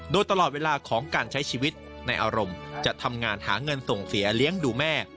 โดยตลอดเวลาของการใช้ชีวิตในอารมณ์จะทำงานหาเงินส่งเสียเลี้ยงดูแม่